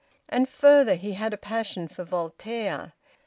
And further, he had a passion for Voltaire.